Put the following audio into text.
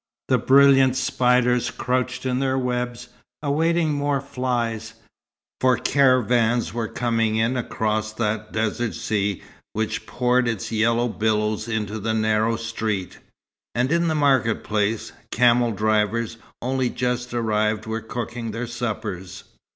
The brilliant spiders crouched in their webs, awaiting more flies; for caravans were coming in across that desert sea which poured its yellow billows into the narrow street; and in the market place, camel drivers only just arrived were cooking their suppers.